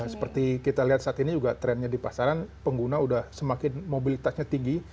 seperti kita lihat saat ini juga trendnya di pasaran pengguna sudah semakin mobilitasnya tinggi